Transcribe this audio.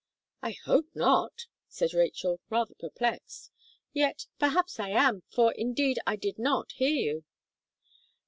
"I hope not," said Rachel, rather perplexed; "yet, perhaps, I am; for, indeed, I did not hear you."